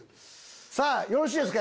さぁよろしいですか？